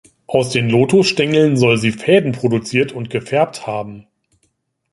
Aus den Lotus-Stängeln soll sie Fäden produziert und gefärbt haben.